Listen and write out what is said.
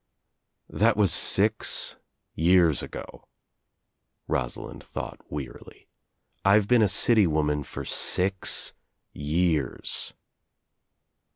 »♦* "That was six years ago," Rosalind thought wearily. "I've been a city woman for six years."